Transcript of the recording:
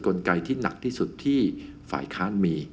กลไกที่หนักที่สุดที่ฝ่ายค้านมี